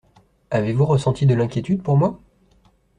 Avez-vous ressenti de l'inquiétude pour moi?